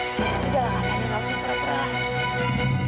sudahlah kak fadil gak usah berperang